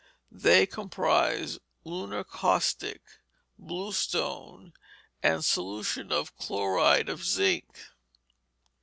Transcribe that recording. They comprise lunar caustic, bluestone, and solution of chloride of zinc.